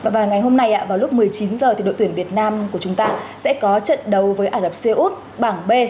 và ngày hôm nay vào lúc một mươi chín h thì đội tuyển việt nam của chúng ta sẽ có trận đấu với ả rập xê út bảng b